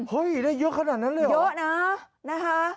ได้เยอะขนาดนั้นเลยเหรอเยอะนะนะคะ